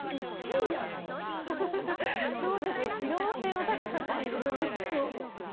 そうですね、機能性の高さ抜うん。